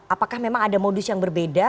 apakah memang ada modus yang berbeda